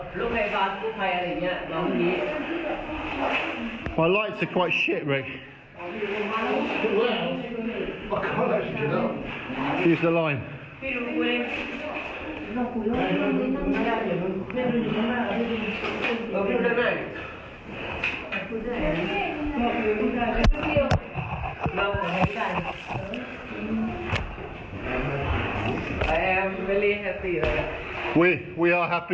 บอกว่าพี่ก็อย่าไปหลังนี่ก็ไม่มีอย่างน้อย